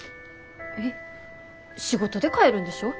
えっ仕事で帰るんでしょ？